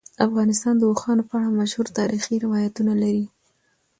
افغانستان د اوښانو په اړه مشهور تاریخی روایتونه لري.